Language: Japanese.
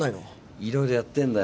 いろいろやってんだよ